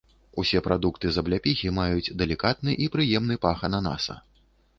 Усе прадукты з абляпіхі маюць далікатны і прыемны пах ананаса.